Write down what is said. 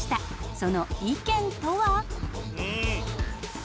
その意見とは？